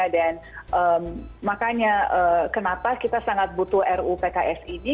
dan makanya kenapa kita sangat butuh ruu pks ini